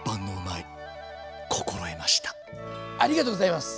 ドッキーありがとうございます。